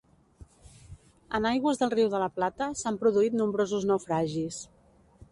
En aigües del Riu de la Plata s'han produït nombrosos naufragis.